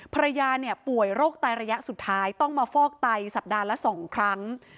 ภรรยาเนี่ยป่วยโรคไตระยะสุดท้ายต้องมาฟอกไตสัปดาห์ละ๒ครั้ง